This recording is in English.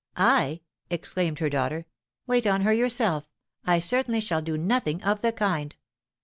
"I?" exclaimed her daughter. "Wait on her yourself! I certainly shall do nothing of the kind."